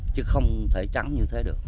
chứ không thể trắng như thế được